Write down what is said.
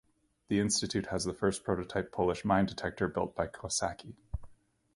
This Institute has the first prototype Polish mine detector built by Kosacki.